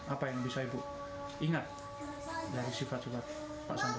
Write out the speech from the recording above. apa yang bisa ibu ingat dari sifat sifat pak sandi